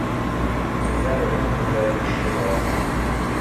Зөфәр уның һүҙҙәрен ишетеп ала